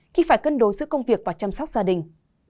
thì phải cân đối giữa công việc và chăm sóc gia đình